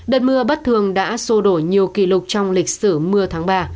đợt mưa bất thường đã sô đổi nhiều kỷ lục trong lịch sử mưa tháng ba